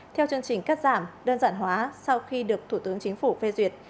theo chương trình cắt giảm đơn giản hóa sau khi được thủ tướng chính phủ phê duyệt